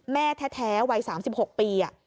แม่แท้วัย๓๖ปี